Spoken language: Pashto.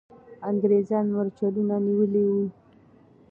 انګریزان مرچلونه نیولي وو.